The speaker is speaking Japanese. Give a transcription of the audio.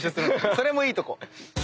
それもいいとこ。